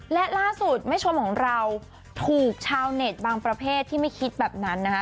และล่าสุดแม่ชมของเราถูกชาวเน็ตบางประเภทที่ไม่คิดแบบนั้นนะคะ